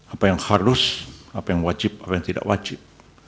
apa yang harus apa yang wajib apa yang tidak wajib